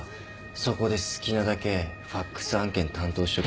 そこで好きなだけファクス案件担当しとけ。